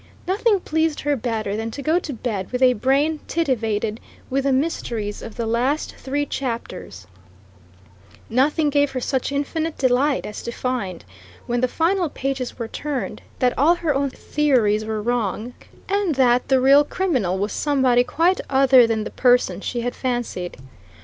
Nothing pleased her better than to go to bed with a brain titivated with the mysteries of the last three chapters; nothing gave her such infinite delight as to find, when the final pages were turned, that all her own theories were wrong, and that the real criminal was somebody quite other than the person she had fancied.